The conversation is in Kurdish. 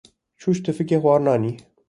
Çû ji tifikê xwarin anî.